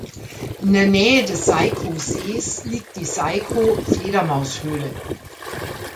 In der Nähe des Saiko-Sees liegt die Saiko-Fledermaushöhle.